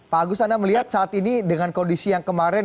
pak agus anda melihat saat ini dengan kondisi yang kemarin